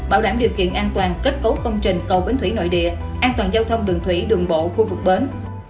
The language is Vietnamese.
bảo đảm điều kiện an toàn kết cấu công trình cầu bến thủy nội địa an toàn giao thông đường thủy đường bộ khu vực bến